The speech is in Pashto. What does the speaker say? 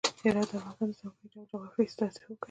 هرات د افغانستان د ځانګړي ډول جغرافیه استازیتوب کوي.